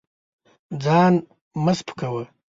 ځان مه سپکوه.